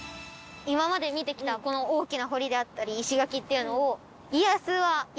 今まで見てきたこの大きな堀であったり石垣っていうのを。